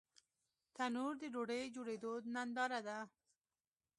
تنور د ډوډۍ جوړېدو ننداره ده